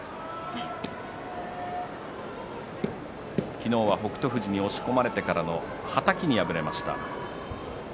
昨日は北勝富士に押し込まれてからのはたきに敗れました。